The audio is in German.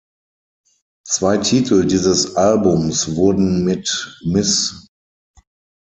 Zwei Titel dieses Albums wurden mit Ms.